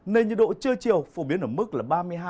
nên nhiệt độ trưa chiều phổ biến ở mức là